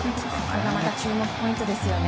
そこが注目ポイントですよね。